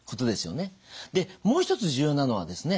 でもう一つ重要なのではですね